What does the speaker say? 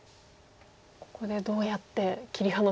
ここでどうやって切り離すかですね。